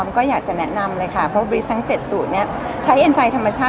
เราก็อยากจะแนะนำเลยค่ะเพราะว่าบรีสต์ทั้ง๗สูตรใช้เอนไซน์ธรรมชาติ